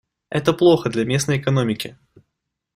Это плохо для местной экономики.